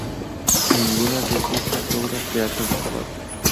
Ninguna de estas obras se ha conservado.